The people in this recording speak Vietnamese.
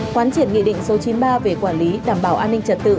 quán triển nghị định số chín mươi ba về quản lý đảm bảo an ninh trật tự